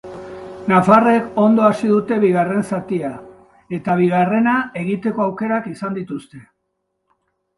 Nafarrek ondo hasi dute bigarren zatia eta bigarrena egiteko aukerak izan dituzte.